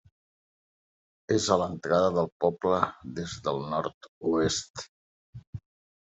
És a l'entrada del poble des del nord-oest.